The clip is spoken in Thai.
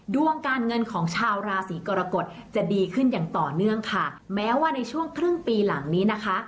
ดวงการเงินของชาวราศีกรกฎจะดีขึ้นอย่างต่อเนื่องค่ะแม้ว่าในช่วงครึ่งปีหลังนี้นะคะ